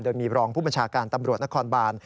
โดยมีรองผู้บัญชาการตำรวจนครบาน